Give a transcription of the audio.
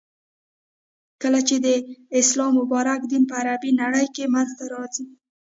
،کله چی د اسلام مبارک دین په عربی نړی کی منځته راغی.